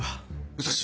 武蔵